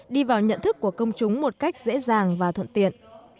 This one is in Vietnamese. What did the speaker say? đi vào nhận thức của công chúng một cách dễ dàng và thuận tiện